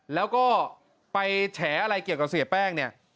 แล้วก็ไปแฉอะไรเกี่ยวกับเสียแป้งเนี่ย